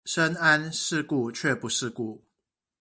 深諳世故卻不世故